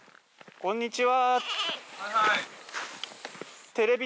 こんにちは。